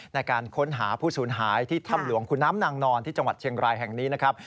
ในการค้นหาผู้สูญหายที่ถ้ำหลวงคุณน้ำนางนอนที่จังหวัดเชียงรายแห่งนี้นะครับ